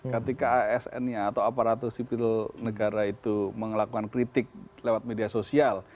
ketika asn nya atau aparatur sipil negara itu mengelakukan kritik lewat media sosial